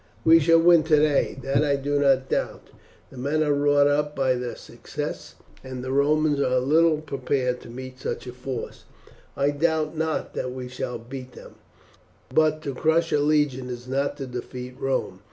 We shall win today, that I do not doubt. The men are wrought up by their success, and the Romans are little prepared to meet such a force I doubt not that we shall beat them, but to crush a legion is not to defeat Rome.